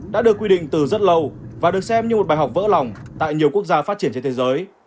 đã được quy định từ rất lâu và được xem như một bài học vỡ lòng tại nhiều quốc gia phát triển trên thế giới